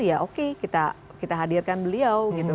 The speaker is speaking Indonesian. ya oke kita hadirkan beliau gitu